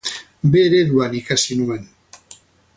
B ereduan ikasi nuen.